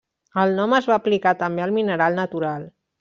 El nom es va aplicar també al mineral natural.